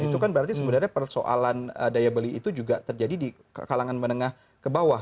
itu kan berarti sebenarnya persoalan daya beli itu juga terjadi di kalangan menengah ke bawah